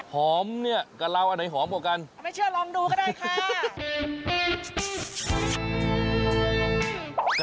เนี่ยกะลาวอันไหนหอมกว่ากันไม่เชื่อลองดูก็ได้ค่ะ